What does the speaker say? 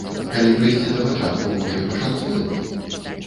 Калі прыйсці да пачатку, можа і пашанцуе?